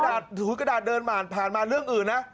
ถือกระดาษเดินผ่านมาเรื่องอื่นนะ